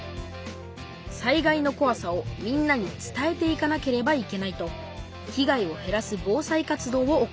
災害のこわさをみんなに伝えていかなければいけないとひ害をへらす防災活動を行っています。